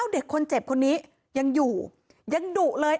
เด็กคนเจ็บคนนี้ยังอยู่ยังดุเลย